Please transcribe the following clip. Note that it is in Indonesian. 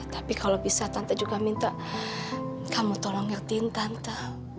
tapi kalau bisa tante juga minta kamu tolong ngertiin tante